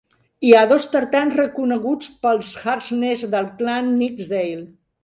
Hi ha dos tartans reconeguts pels Harknesses del clan Nithsdale.